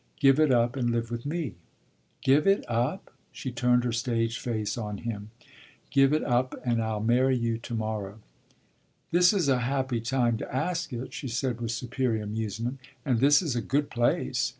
Give it up and live with me." "Give it up?" She turned her stage face on him. "Give it up and I'll marry you to morrow." "This is a happy time to ask it!" she said with superior amusement. "And this is a good place!"